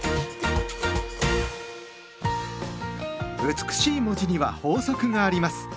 美しい文字には法則があります。